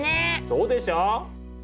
そうでしょ！